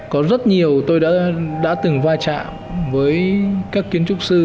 có rất nhiều tôi đã từng va chạm với các kiến trúc sư